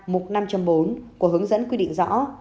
mục năm bốn của hướng dẫn quy định rõ